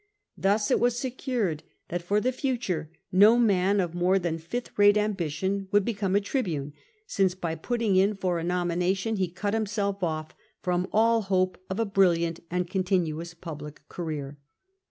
Thus it was secured that for the future no man of more than fifth rate ambition would become a tribune, since by putting in for a nomination he cut himself off from all hope of a brilliant and con tinuous public career.